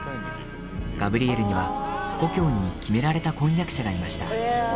ガブリエルには、故郷に決められた婚約者がいました。